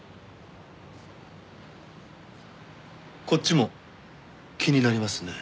こっちも気になりますね。